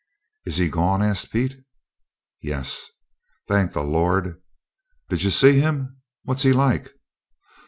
"Is he gone?" asked Pete. "Yes." "Thank the Lord!" "Did you see him? What's he like?"